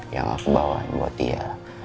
yang aku bawa buat dia